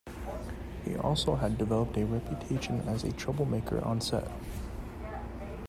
He had also developed a reputation as a troublemaker on set.